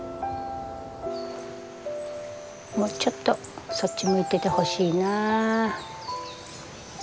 もうちょっとそっち向いててほしいなあ。